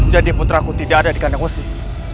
jadi putraku tidak ada di kandang usih